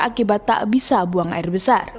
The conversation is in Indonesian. akibat tak bisa buang air besar